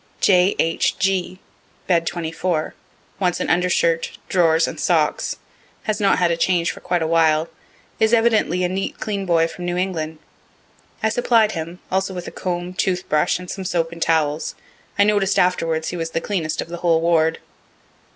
J. H. G., bed 24, wants an undershirt, drawers, and socks; has not had a change for quite a while; is evidently a neat, clean boy from New England (I supplied him; also with a comb, tooth brush, and some soap and towels; I noticed afterward he was the cleanest of the whole ward.)